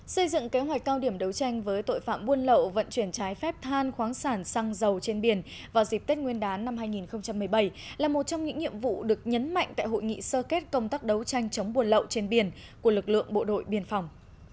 xây dựng kế hoạch cao điểm đấu tranh với tội phạm buôn lậu vận chuyển trái phép than khoáng sản xăng dầu trên biển vào dịp tết nguyên đán năm hai nghìn một mươi bảy là một trong những nhiệm vụ được nhấn mạnh tại hội nghị sơ kết công tác đấu tranh chống buồn lậu trên biển của lực lượng bộ đội biên phòng